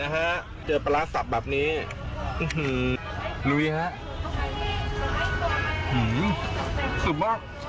หืออืออึ้มมาก